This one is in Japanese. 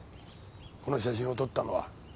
この写真を撮ったのは。